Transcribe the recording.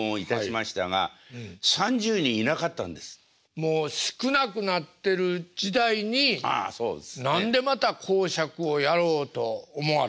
もう少なくなってる時代に何でまた講釈をやろうと思われたんですか？